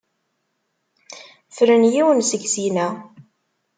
Fren yiwen seg sin-a.